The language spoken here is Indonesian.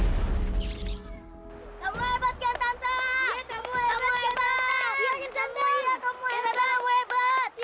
kamu hebat ken tante